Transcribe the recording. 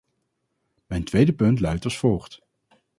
Mijn tweede punt luidt als volgt.